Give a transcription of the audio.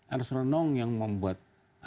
arslanong yang membuat